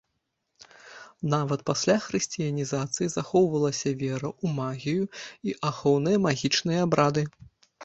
Нават пасля хрысціянізацыі захоўваліся вера ў магію і ахоўныя магічныя абрады.